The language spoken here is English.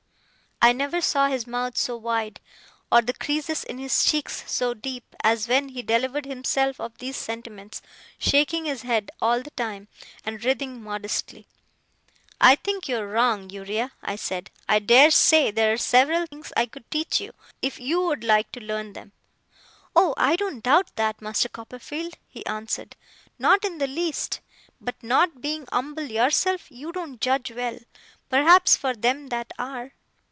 I never saw his mouth so wide, or the creases in his cheeks so deep, as when he delivered himself of these sentiments: shaking his head all the time, and writhing modestly. 'I think you are wrong, Uriah,' I said. 'I dare say there are several things that I could teach you, if you would like to learn them.' 'Oh, I don't doubt that, Master Copperfield,' he answered; 'not in the least. But not being umble yourself, you don't judge well, perhaps, for them that are.